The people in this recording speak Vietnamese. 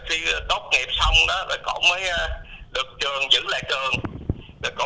rồi cổ mới được trường giữ lại trường